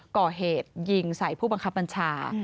ก่อเหตุยิงใส่ผู้บังคับบัญชา